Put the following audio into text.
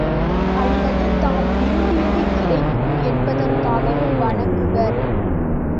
அல்லது தாம் விரும்பியது கிடைக்கும் என்பதற்காகவும் வணங்குவர்.